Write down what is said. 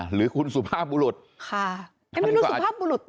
หรือคุณสุภาพบุรุษ